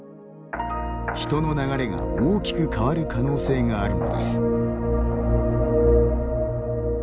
人の流れが大きく変わる可能性があるのです。